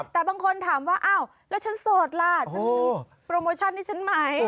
แต่บางคนถามว่าอ้าวแล้วฉันโสดล่ะฉันมีโปรโมชั่นให้ฉันไหม